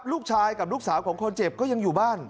ลูกชายกับลูกสาวของคนเจ็บก็ยังอยู่บ้าน